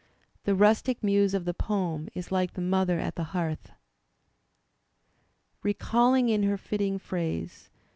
The rustic muse of the poem is like the mother at the hearth Recalling in her fitting phrase.